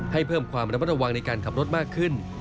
เพิ่มความระมัดระวังในการขับรถมากขึ้น